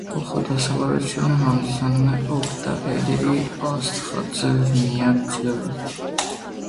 Փոխդասավորվածությունը հանդիսանում է օկտաէդրի աստղաձև միակ ձևը։